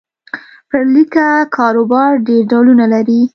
پر لیکه کاروبار ډېر ډولونه لري.